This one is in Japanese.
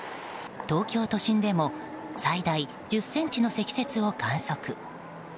東京都心でも最大１０ｃｍの積雪を観測。